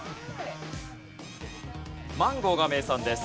マンゴーが名産です。